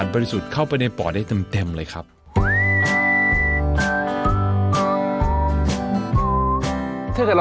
มีโรมเย็นสามารถสูด